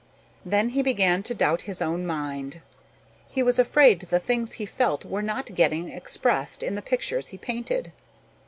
Then he began to doubt his own mind. He was afraid the things he felt were not getting expressed in the pictures he painted.